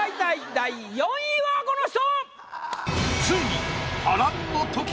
第４位はこの人！